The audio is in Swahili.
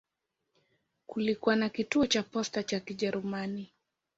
Kulikuwa na kituo cha posta ya Kijerumani.